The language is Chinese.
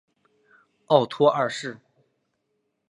奥托二世。